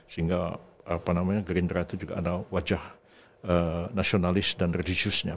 sehingga gerindra itu juga ada wajah nasionalis dan religiusnya